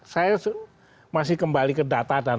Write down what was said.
saya masih kembali ke data dan